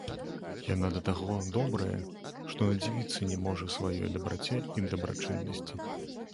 Яна да таго добрая, што надзівіцца не можа сваёй дабраце і дабрачыннасці.